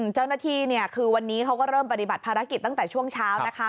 เจ้าหน้าที่เนี่ยคือวันนี้เขาก็เริ่มปฏิบัติภารกิจตั้งแต่ช่วงเช้านะคะ